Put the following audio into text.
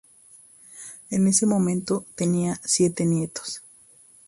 En ese momento, tenía siete nietos.